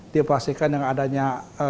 dia pastikan yang adanya